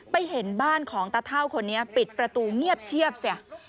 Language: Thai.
เห็นบ้านของตาเท่าคนนี้ปิดประตูเงียบเชียบสิ